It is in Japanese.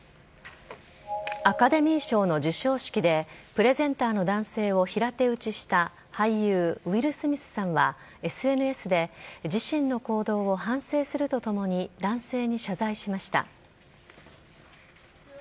アカデミー賞の授賞式で、プレゼンターの男性を平手打ちした俳優、ウィル・スミスさんは、ＳＮＳで、自身の行動を反省するとともに、男性に謝罪しました。